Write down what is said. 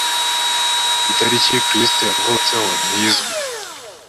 itariki kristo yavutseho ntizwi